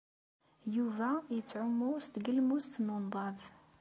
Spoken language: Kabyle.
Yuba yettɛumu s tgelmust n unḍab.